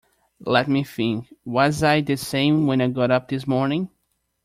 Let me think: was I the same when I got up this morning?